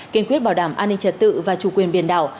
kiên quyết bảo đảm an ninh trật tự và chủ quyền biển đảo